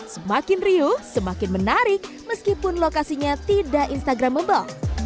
semakin riuh semakin menarik meskipun lokasinya tidak instagramable